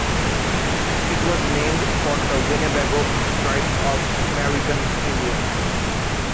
It was named for the Winnebago Tribe of American Indians.